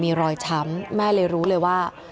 มีรอยช้ำแม่เลยรู้เลยว่า